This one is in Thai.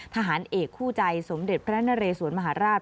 ทหารเอกคู่ใจสมเด็จพระนเรสวนมหาราช